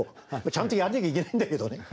ちゃんとやんなきゃいけないんだけどね。